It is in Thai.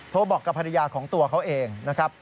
บอกกับภรรยาของตัวเขาเองนะครับ